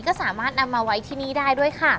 ก็สามารถนำมาไว้ที่นี่ได้ด้วยค่ะ